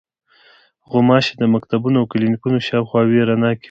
غوماشې د مکتبونو او کلینیکونو شاوخوا وېره ناکې دي.